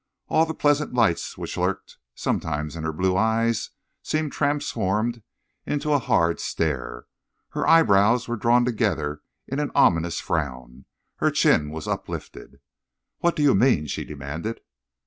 All the pleasant lights which lurked sometimes in her blue eyes seemed transformed into a hard stare. Her eyebrows were drawn together in an ominous frown. Her chin was uplifted. "What do you mean?" she demanded.